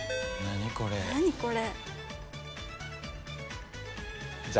何これ。